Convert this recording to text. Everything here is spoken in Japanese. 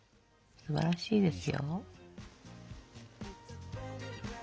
すばらしいですよ。